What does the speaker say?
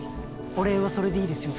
お礼はそれでいいですよ